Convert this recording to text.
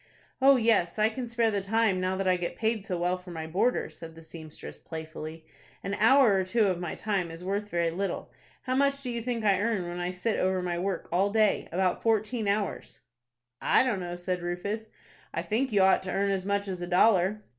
"Oh, yes, I can spare the time, now that I get paid so well for my boarder," said the seamstress, playfully. "An hour or two of my time is worth very little. How much do you think I earn when I sit over my work all day,—about fourteen hours?" "I don't know," said Rufus. "I think you ought to earn as much as a dollar."